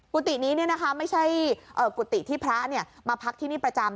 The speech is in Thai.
กุตินี้เนี่ยนะคะไม่ใช่กุติที่พระเนี่ยมาพักที่นี่ประจำ